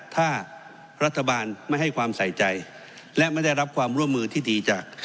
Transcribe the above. ถ้ารัฐบาลไม่ให้ความใส่ใจและไม่ได้รับความร่วมมือที่ดีจาก